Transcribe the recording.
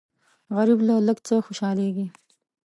غریب له لږ څه خوشالېږي